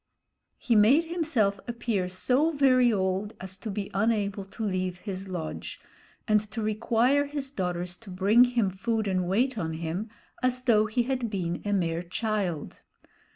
He made himself appear so very old as to be unable to leave his lodge and to require his daughters to bring him food and wait on him, as though he had been a mere child.